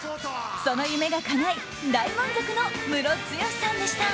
その夢がかない大満足のムロツヨシさんでした。